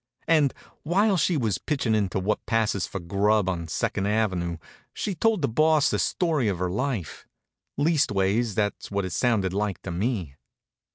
And, while she was pitchin' into what passes for grub on Second Avenue, she told the Boss the story of her life. Leastways, that's what it sounded like to me.